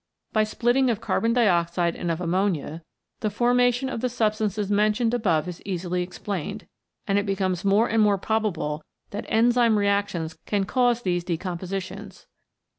By splitting of carbon dioxide and of ammonia the formation of 121 CHEMICAL PHENOMENA IN LIFE the substances mentioned above is easily explained, and it becomes more and more probable that enzyme reactions can cause these decompositions.